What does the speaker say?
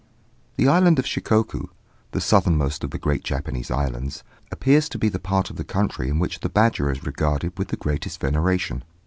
The island of Shikoku, the southernmost of the great Japanese islands, appears to be the part of the country in which the badger is regarded with the greatest veneration.